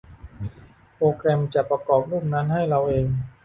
โปรแกรมจะประกอบรูปนั้นให้เราเอง !